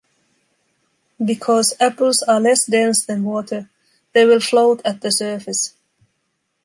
Because apples are less dense than water, they will float at the surface.